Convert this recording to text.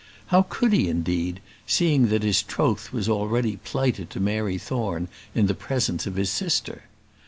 How could he, indeed, seeing that his troth was already plighted to Mary Thorne in the presence of his sister?